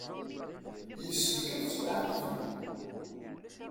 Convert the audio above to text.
Yessefk ad ttwaɛaqben.